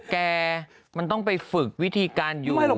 แกมันต้องไปฝึกวิธีการอยู่นั่นไหม